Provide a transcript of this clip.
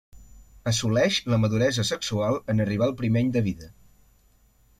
Assoleix la maduresa sexual en arribar al primer any de vida.